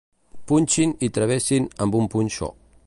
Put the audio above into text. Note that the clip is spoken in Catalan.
Punxin i travessin amb un punxó.